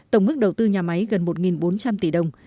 tổng mức đầu tư nhà máy gần một bốn trăm linh tỷ đồng